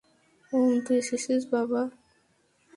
ওম, তুই এসেছিস বাবা।